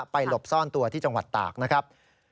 หลบซ่อนตัวที่จังหวัดตากนะครับ